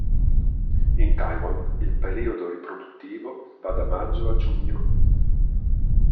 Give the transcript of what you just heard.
In Taiwan il periodo riproduttivo va da maggio a giugno.